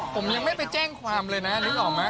ผมยังไม่ไปแจ้งความเลยนะนึกออกไหม